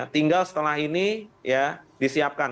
tinggal setelah ini ya disiapkan